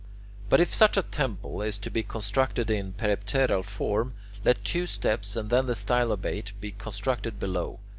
But if such a temple is to be constructed in peripteral form, let two steps and then the stylobate be constructed below.